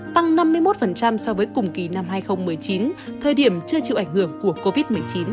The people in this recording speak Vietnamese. tăng năm mươi một so với cùng kỳ năm hai nghìn một mươi chín thời điểm chưa chịu ảnh hưởng của covid một mươi chín